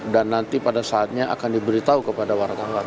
dan nanti pada saatnya akan diberitahu kepada warga warga lain